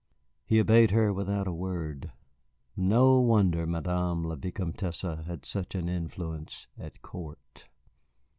He obeyed her without a word. No wonder Madame la Vicomtesse had had an influence at court.